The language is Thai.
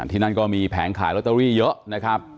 ที่นั่นก็มีแผงขายลอตเตอรี่เยอะนะครับ